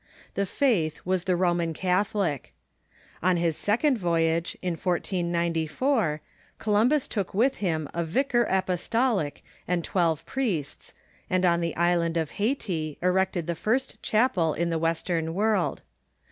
The faith was the Roman Catho lic. On his second voyage, in 1494, Columbus took Avith him a vicar apostolic and twelve priests, and on the island of Hayti erected the first chapel in the western world.